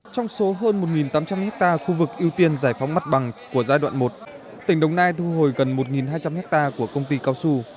trong số hơn một tám trăm linh hectare khu vực ưu tiên giải phóng mặt bằng của giai đoạn một tỉnh đồng nai thu hồi gần một hai trăm linh ha của công ty cao su